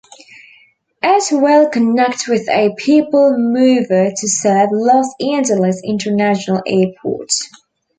It will connect with a people mover to serve Los Angeles International Airport.